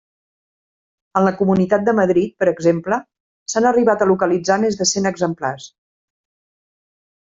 En la comunitat de Madrid, per exemple, s'han arribat a localitzar més de cent exemplars.